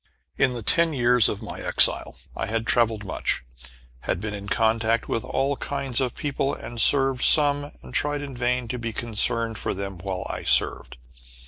In the ten years of my exile I had travelled much, had been in contact with all kinds of people, had served some, and tried in vain to be concerned for them while I served.